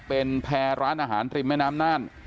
เป็นแพร่ร้านอาหารริมแม่น้ำน่าน